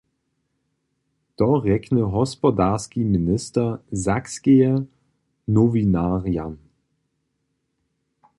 To rjekny hospodarski minister Sakskeje nowinarjam.